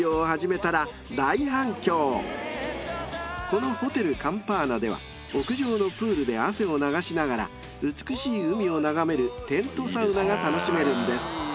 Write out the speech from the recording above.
［このホテルカンパーナでは屋上のプールで汗を流しながら美しい海を眺めるテントサウナが楽しめるんです］